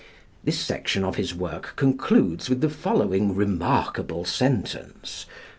This section of his work concludes with the following remarkable sentence (p.